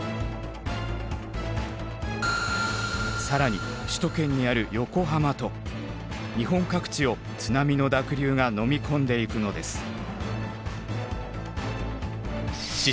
更に首都圏にある横浜と日本各地を津波の濁流がのみ込んでいくのです。